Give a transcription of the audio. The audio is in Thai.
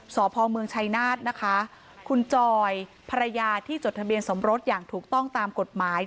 สพเมืองชัยนาธนะคะคุณจอยภรรยาที่จดทะเบียนสมรสอย่างถูกต้องตามกฎหมาย